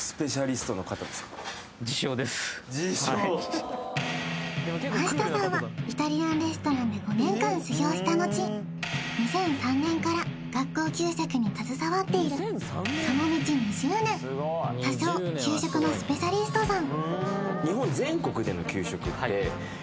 自称はい真下さんはイタリアンレストランで５年間修業したのち２００３年から学校給食に携わっているその道２０年他称給食のスペシャリストさん